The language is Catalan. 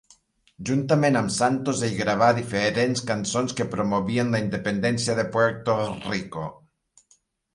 Juntament amb Santos, ell gravà diferents cançons que promovien la independència de Puerto Rico.